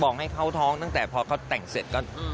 ให้เขาท้องตั้งแต่พอเขาแต่งเสร็จก็